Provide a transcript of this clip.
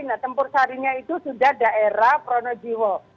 nah tempur sarinya itu sudah daerah pronojiwo